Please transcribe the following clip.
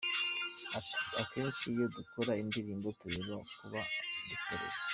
Ati “Akenshi iyo dukora indirimbo tureba kubo dukorera.